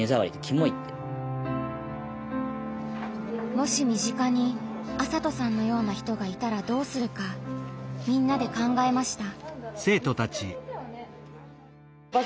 もし身近に麻斗さんのような人がいたらどうするかみんなで考えました。